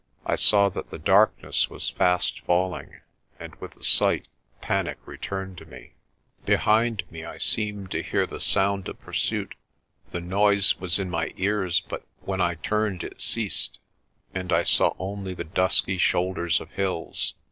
I saw that the darkness was fast falling, and with the sight panic returned to me. Behind me I seemed to 213 214 PRESTER JOHN hear the sound of pursuit. The noise was in my ears, but when I turned it ceased, and I saw only the dusky shoulders of hills.